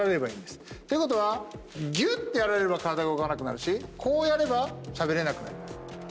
ていうことはぎゅってやられれば体が動かなくなるしこうやればしゃべれなくなります。